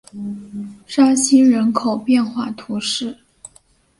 沙西人口变化图示